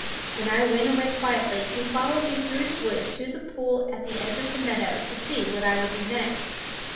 When I went away quietly he followed me through the wood to the pool at the edge of the meadow, to see what I would do next.